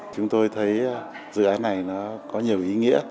chúng tôi thấy dự án này nó có nhiều ý nghĩa